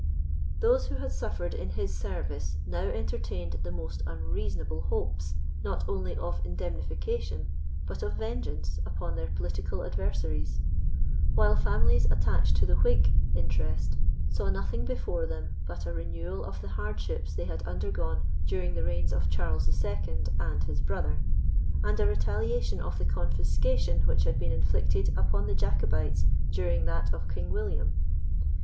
Those who had suffered in his service now entertained the most unreasonable hopes, not only of indemnification, but of vengeance upon their political adversaries; while families attached to the Whig interest saw nothing before them but a renewal of the hardships they had undergone during the reigns of Charles the Second and his brother, and a retaliation of the confiscation which had been inflicted upon the Jacobites during that of King William.